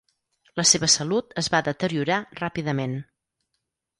La seva salut es va deteriorar ràpidament.